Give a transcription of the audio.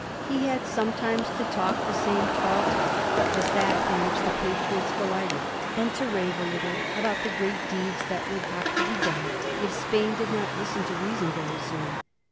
He had sometimes to talk the same *' tall talk " as that in which the Patriots delighted, and to rave a little about the great deeds that would have to be done if Spain did not lis ten to reason very soon.